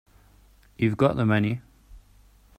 You've got the money.